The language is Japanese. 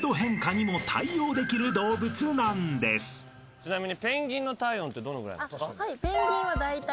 ちなみに。